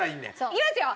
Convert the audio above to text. いきますよ！